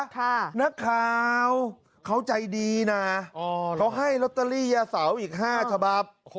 นักข่าวเขาใจดีนะเขาให้ลอตเตอรี่ยาเสาอีก๕ฉบับ